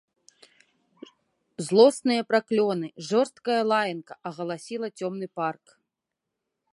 Злосныя праклёны, жорсткая лаянка агаласіла цёмны парк.